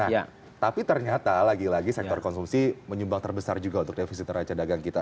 nah tapi ternyata lagi lagi sektor konsumsi menyumbang terbesar juga untuk defisit neraca dagang kita